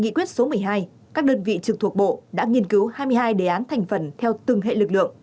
nghị quyết số một mươi hai các đơn vị trực thuộc bộ đã nghiên cứu hai mươi hai đề án thành phần theo từng hệ lực lượng